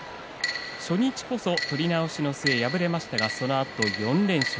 初日こそ取り直しの末敗れましたが、そのあと４連勝。